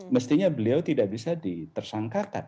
mestinya beliau tidak bisa ditersangkakan